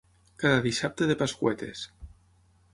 Cada dissabte de pasqüetes.